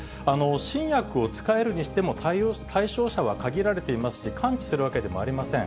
新薬を使えるにしても、対象者は限られていますし、完治するわけでもありません。